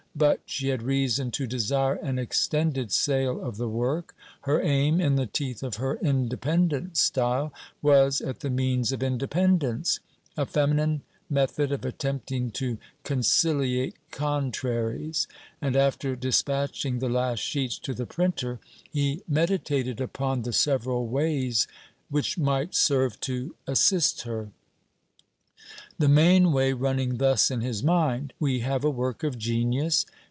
But she had reason to desire an extended sale of the work. Her aim, in the teeth of her independent style, was at the means of independence a feminine method of attempting to conciliate contraries; and after despatching the last sheets to the printer, he meditated upon the several ways which might serve to, assist her; the main way running thus in his mind: We have a work of genius.